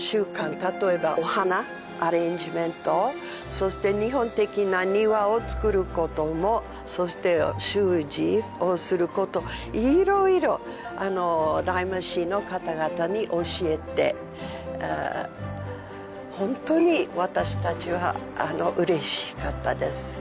例えばお花アレンジメントそして日本的な庭を造ることもそして習字をすること色々ライマ市の方々に教えてほんとに私たちは嬉しかったです